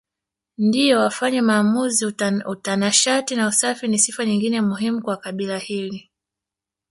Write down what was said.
ndio wafanye maamuzi Utanashati na usafi ni sifa nyingine muhimu kwa kabila hili